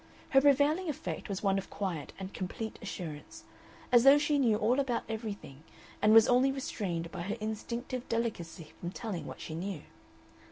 Her prevailing effect was one of quiet and complete assurance, as though she knew all about everything, and was only restrained by her instinctive delicacy from telling what she knew.